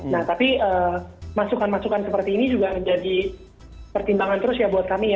nah tapi masukan masukan seperti ini juga menjadi pertimbangan terus ya buat kami ya